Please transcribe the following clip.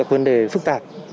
vấn đề phức tạp